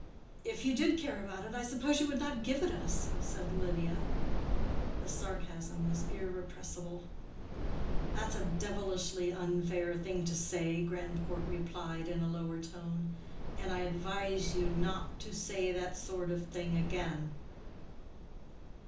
"If you did care about it, I suppose you would not give it us," said Lydia. The sarcasm was irrepressible. "That's a devilishly unfair thing to say," Grandcourt replied, in a lower tone; "and I advise you not to say that sort of thing again."